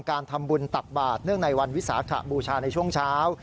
การทำบุญตักบาทเนื่องในวันวิสาขบูชาในช่วงเช้า